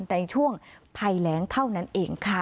ในช่วงภัยแรงเท่านั้นเองค่ะ